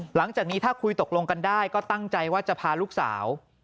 หลังจากนี้ถ้าคุยตกลงกันได้ก็ตั้งใจว่าจะพาลูกสาว